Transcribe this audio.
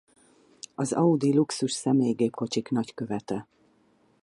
Az Audi luxus személygépkocsik nagykövete.